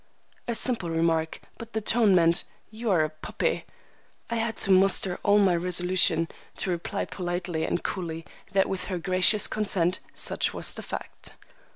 A simple remark, but the tone meant "You are a puppy." I had to muster all my resolution to reply politely and coolly that, with her gracious consent, such was the fact.